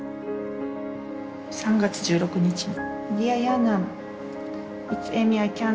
３月１６日の。